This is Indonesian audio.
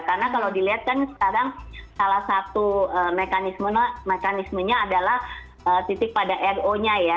karena kalau dilihat kan sekarang salah satu mekanismenya adalah titik pada ro nya ya